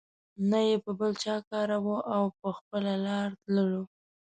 نه یې په بل چا کار وو او په خپله لار تللو.